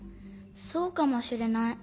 そうかもしれない。